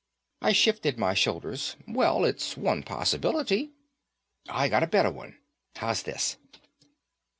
I shifted my shoulders. "Well, it's one possibility." "I got a better one. How's this.